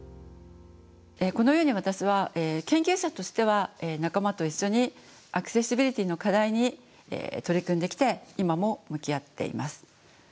このように私は研究者としては仲間と一緒にアクセシビリティーの課題に取り組んできて今も向き合っています。